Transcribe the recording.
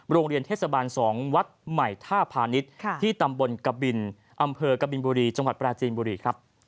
โรงเรียนเทศบาล๒วัดใหม่ท่าพาณิชย์ที่ตำบลกบินอำเภอกบินบุรีจังหวัดปราจีนบุรีครับ